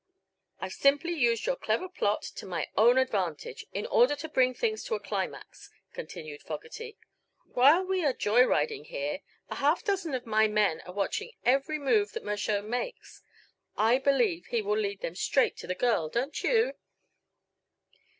"I've simply used your clever plot to my own advantage, in order to bring things to a climax," continued Fogerty. "While we are joy riding here, a half dozen of my men are watching every move that Mershone makes. I believe he will lead them straight to the girl; don't you?"